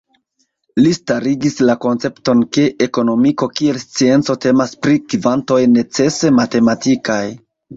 Li starigis la koncepton ke ekonomiko kiel scienco temas pri kvantoj necese matematikaj.